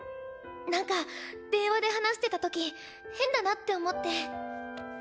何か電話で話してた時変だなって思って。